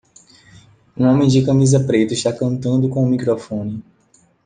Um homem de camisa preta está cantando com um microfone